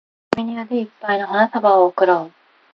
君に腕いっぱいの花束を贈ろう